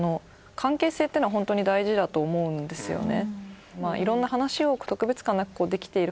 関係性っていうのは本当に大事だと思うんですよね。